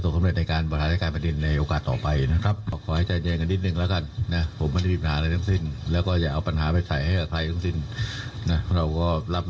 ก็รับในกฎิกาทั้งหมดแล้วนะครับ